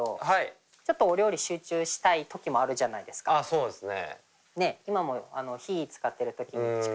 そうですね。